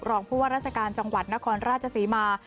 รองผู้ว่าราชการจังหวัดนครราชศรีมา